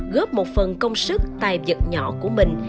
góp một phần công sức tài vật nhỏ của mình